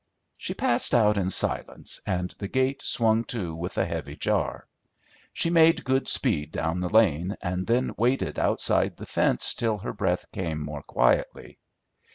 She passed out in silence, and the gate swung to with a heavy jar. She made good speed down the lane and then waited outside the fence till her breath came more quietly.